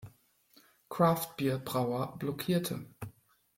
Craft-Bier-Brauer blockierte.